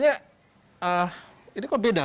ya ini peluru